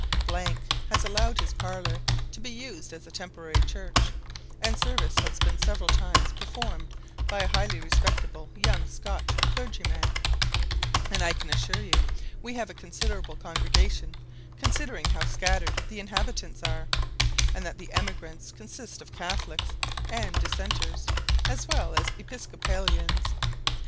has allowed his parlour to be used as a temporary church, and service has been several times performed by a highly respectable young Scotch clergyman; and I can assure you we have a considerable congregation, considering how scattered the inhabitants are, and that the emigrants consist of catholics and dissenters, as well as episcopalians.